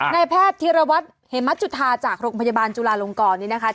ในแพทย์ธิระวัติเฮมัตต์จุธาจากโรคพยาบาลจุลาลงกรนี้นะคะ